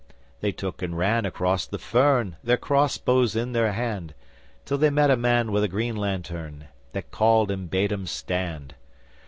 They took and ran across the fern, Their crossbows in their hand, Till they met a man with a green lantern That called and bade 'em stand.